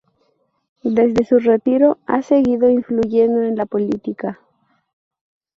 Desde su retiro, ha seguido influyendo en la política.